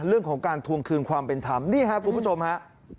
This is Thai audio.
เรื่องของการทวงคืนความเป็นธรรมนี่ครับคุณผู้ชมฮะ